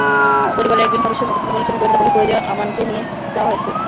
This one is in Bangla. পরিবারের একজন সদস্য মুঠোফোনে বলেছেন, গোয়েন্দা পুলিশ পরিচয়ে আমানকে নিয়ে যাওয়া হয়েছে।